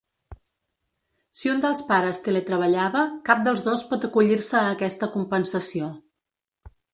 Si un dels pares teletreballava, cap dels dos pot acollir-se a aquesta compensació.